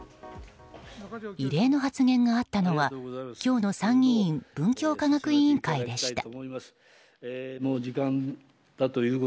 異例の発言があったのは今日の参議院文教科学委員会でした。